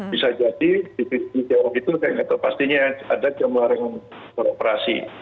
bisa jadi di kisi jawab itu kayak ngerti pastinya ada jam laras per operasi